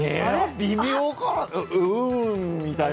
微妙かな。